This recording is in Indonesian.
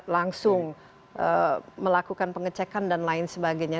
langsung melakukan pengecekan dan lain sebagainya